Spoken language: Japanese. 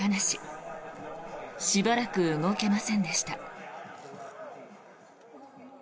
しばらく動けませんでした。